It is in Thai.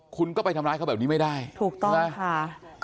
คุณก็ไปทำร้ายเขาแบบนี้ไม่ได้ถูกต้องค่ะ